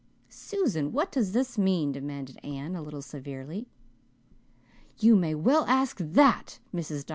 "Susan, what does this mean?" demanded Anne, a little severely. "You may well ask that, Mrs. Dr.